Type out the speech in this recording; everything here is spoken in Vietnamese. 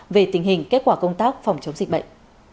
về tình hình kết quả công tác phòng chống dịch bệnh